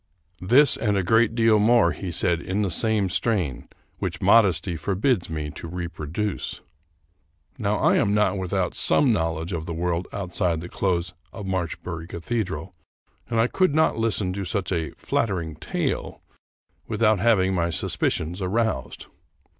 This and a great deal more he said in the same strain, which modesty forbids me to reproduce. Now I am not without some knowledge of the world out side the close of Marchbury Cathedral, and I could not lis ten to such a " flattering tale " without having my sus picions aroused.